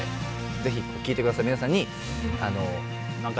ぜひ聴いてくださった皆さんに。